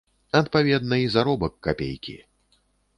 Адпаведна, і заробак капейкі.